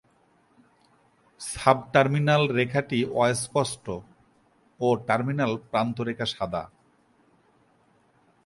Sub-terminal রেখাটি অস্পষ্ট ও terminal প্রান্তরেখা সাদা।